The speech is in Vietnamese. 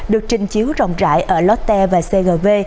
được trình chiếu rộng rãi ở lotte và cgv